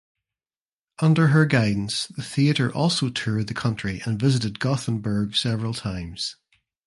Under her guidance the theatre also toured the country and visited Gothenburg several times.